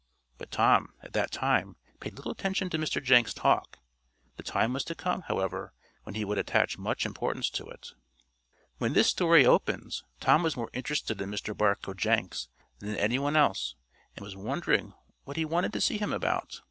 But Tom, at that time, paid little attention to Mr. Jenks' talk. The time was to come, however, when he would attach much importance to it. When this story opens, Tom was more interested in Mr. Barcoe Jenks than in any one else, and was wondering what he wanted to see him about.